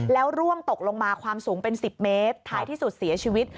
แล้วร่วงตกลงมาความสูงเป็น๑๐เมตรท้ายที่สุดเสียชีวิต